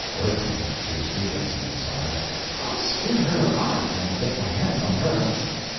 WIRTHIN. (To Stephenson aside.) I'll skin her alive when I get my hands on her!